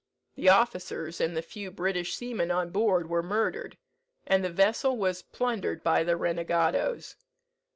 The officers, and the few British seamen on board, were murdered, and the vessel was plundered by the renegadoes.